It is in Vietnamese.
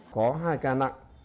có hai ca nặng